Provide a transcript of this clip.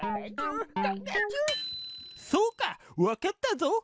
そうかわかったぞ！